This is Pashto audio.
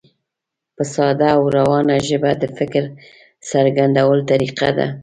په ساده او روانه ژبه د فکر څرګندولو طریقه ده.